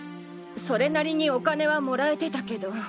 それなりにお金は貰えてたけど。